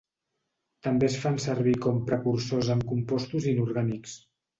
També es fan servir com precursors en compostos inorgànics.